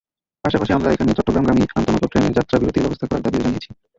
পাশাপাশি আমরা এখানে চট্টগ্রামগামী আন্তনগর ট্রেনের যাত্রাবিরতির ব্যবস্থা করার দাবিও জানিয়েছি।